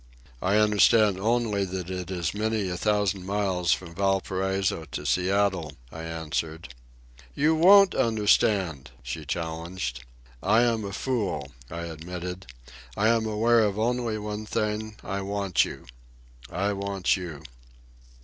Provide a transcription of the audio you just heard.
"I understand only that it is many a thousand miles from Valparaiso to Seattle," I answered. "You won't understand," she challenged. "I am a fool," I admitted. "I am aware of only one thing: I want you. I want you."